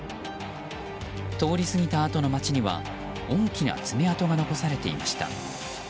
通り過ぎたあとの街には大きな爪痕が残されていました。